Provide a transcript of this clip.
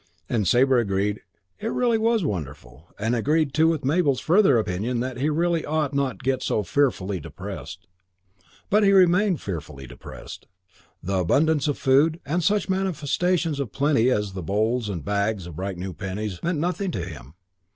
And Sabre agreed that it really was wonderful: and agreed too with Mabel's further opinion that he really ought not to get so fearfully depressed. But he remained fearfully depressed. The abundance of food, and such manifestations of plenty as the bowls and bags of bright new pennies meant nothing to him.